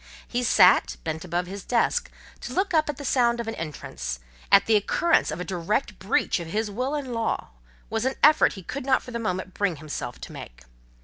He sat, bent above his desk: to look up at the sound of an entrance, at the occurrence of a direct breach of his will and law, was an effort he could not for the moment bring himself to make.